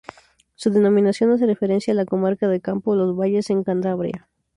Su denominación hace referencia a la Comarca de Campoo-Los Valles, en Cantabria.